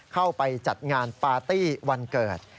เข้าไปจัดงานปาร์ตี้วันเกิด